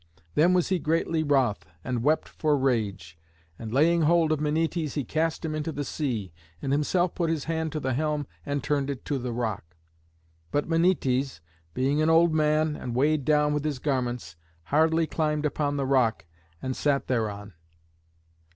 Then was he greatly wroth and wept for rage; and laying hold of Menœtes he cast him into the sea, and himself put his hand to the helm and turned it to the rock. But Menœtes, being an old man and weighed down with his garments, hardly climbed upon the rock, and sat thereon.